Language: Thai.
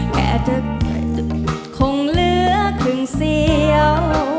แต่คงเหลือครึ่งเสียว